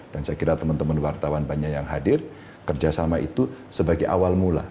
dan saya kira teman teman wartawan banyak yang hadir kerjasama itu sebagai awal mula